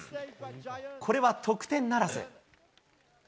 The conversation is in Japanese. これは得点ならず。